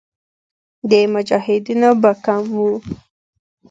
د مجاهدینو به کم وو.